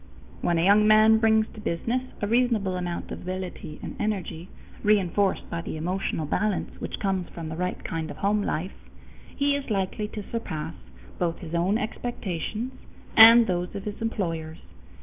When a young man brings to business a reasonable amount of ability and energy, reinforced by the emotional balance which comes from the right kind of home life, he is likely to surpass both his own expectations and those of his employers.